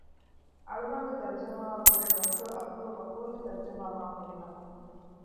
އަޅުގަނޑުގެ ތަރުޖަމާއަށްވުރެ ޑޮކްޓަރ ޢަބްދުލްޣަފޫރުގެ ތަރުޖަމާ މާ ފުރިހަމަ